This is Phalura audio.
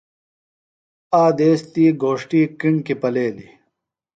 آک دیس تی گھوݜٹی کِݨکیۡ پلیلیۡ۔